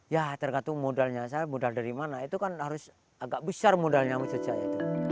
ya tergantung modalnya saya modal dari mana itu kan harus agak besar modalnya maksud saya itu